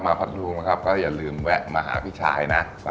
พัทธรุงนะครับก็อย่าลืมแวะมาหาพี่ชายนะ